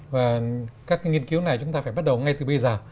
và các nghiên cứu này chúng ta phải bắt đầu ngay từ bây giờ